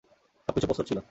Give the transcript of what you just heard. সবকিছু প্রস্তুত ছিল।